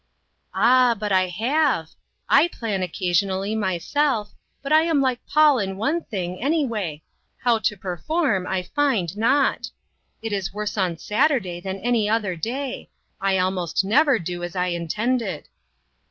" Ah, but I have. / plan occasionally, myself, but I am like Paul in one thing, any way, 'how to perform I find not.' It is worse on Saturday than any other day. I almost never do as I intended."